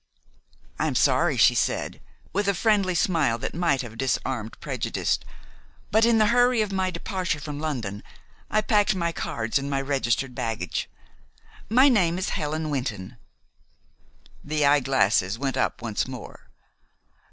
"I am sorry," she said, with a friendly smile that might have disarmed prejudice, "but in the hurry of my departure from London I packed my cards in my registered baggage. My name is Helen Wynton." The eyeglasses went up once more.